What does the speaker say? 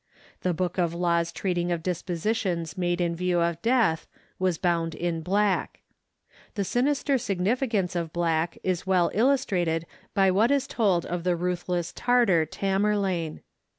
The book of laws treating of dispositions made in view of death was bound in black. The sinister significance of black is well illustrated by what is told of the ruthless Tartar Tamerlane.